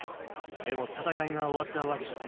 でも戦いが終わったわけじゃない。